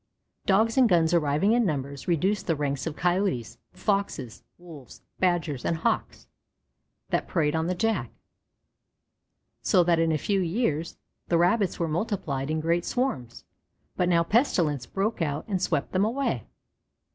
Dogs and guns arriving in numbers reduced the ranks of Coyotes, Foxes, Wolves, Badgers, and Hawks that preyed on the Jack, so that in a few years the Rabbits were multiplied in great swarms; but now Pestilence broke out and swept them away.